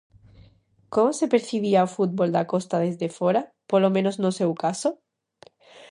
Como se percibía o fútbol da Costa desde fóra, polo menos no seu caso?